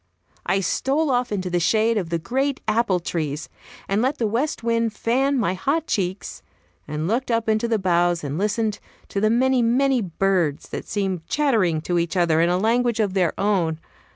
I stole off into the shade of the great apple trees, and let the west wind fan my hot cheeks, and looked up into the boughs, and listened to the many, many birds that seemed chattering to each other in a language of their own.